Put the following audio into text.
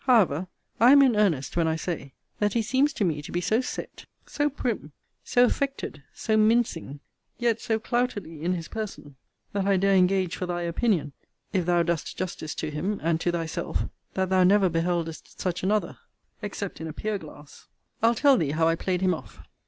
However, I am in earnest, when I say, that he seems to me to be so set, so prim, so affected, so mincing, yet so clouterly in his person, that I dare engage for thy opinion, if thou dost justice to him, and to thyself, that thou never beheldest such another, except in a pier glass. I'll tell thee how I play'd him off.